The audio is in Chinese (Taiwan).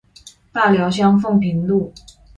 大寮鄉鳳屏路